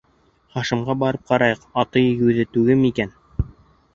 Хашимға барып ҡарайыҡ, аты егеүҙе түге микән?..